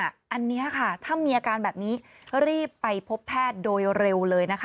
อันนี้ค่ะถ้ามีอาการแบบนี้รีบไปพบแพทย์โดยเร็วเลยนะคะ